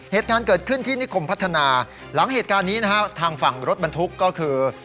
เหตุการณ์เกิดขึ้นที่นิคมพัฒนาหลังเหตุการณ์นี้นะฮะทางฝั่งรถบรรทุกก็คือ